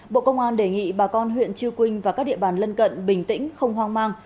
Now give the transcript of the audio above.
bộ công an đề nghị bà con huyện chư quynh và các địa bàn lân cận bình tĩnh không hoang mang